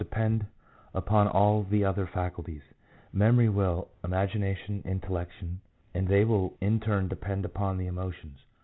depend upon all the other faculties — memory, will, imagination, intellection ; and they in turn depend upon the emotions.